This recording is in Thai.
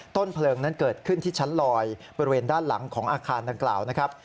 เพลิงนั้นเกิดขึ้นที่ชั้นลอยบริเวณด้านหลังของอาคารดังกล่าวนะครับ